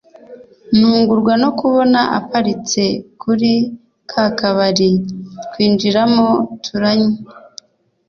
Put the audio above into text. ntungurwa no kubona aparitse kuri kakabari twinjiramo turanywa